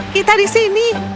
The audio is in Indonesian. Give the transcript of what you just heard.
kita di sini